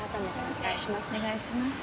お願いします。